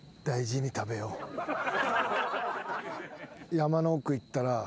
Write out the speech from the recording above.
山の奥行ったら。